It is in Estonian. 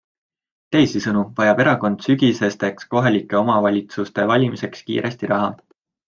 Teisisõnu vajab erakond sügisesteks kohalike omavalitsuste valimisteks kiiresti raha?